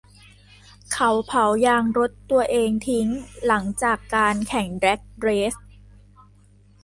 เขาเผายางรถตัวเองทิ้งหลังจากการแข่งแดร๊กเรซ